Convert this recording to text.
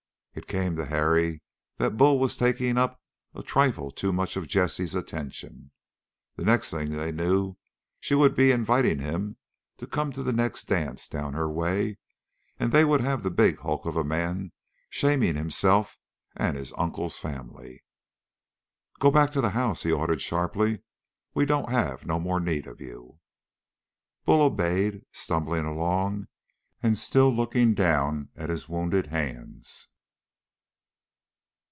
It came to Harry that Bull was taking up a trifle too much of Jessie's attention. The next thing they knew she would be inviting him to come to the next dance down her way, and they would have the big hulk of a man shaming himself and his uncle's family. "Go on back to the house," he ordered sharply. "We don't have no more need of you." Bull obeyed, stumbling along and still looking down at his wounded hands.